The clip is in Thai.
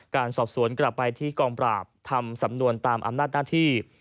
การสอบสวนกลับไปที่กองปราบทำสำนวนตามอำนาจหน้าที่